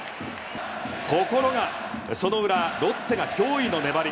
ところが、その裏ロッテが驚異の粘り。